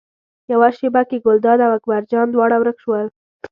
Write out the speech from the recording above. یوه شېبه کې ګلداد او اکبر جان دواړه ورک شول.